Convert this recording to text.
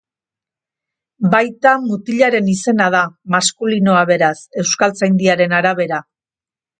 Baita mutilaren izena da, maskulinoa beraz Euskaltzaindiaren arabera.